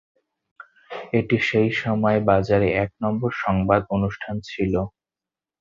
এটি সেই সময়ে বাজারে এক নম্বর সংবাদ অনুষ্ঠান ছিল।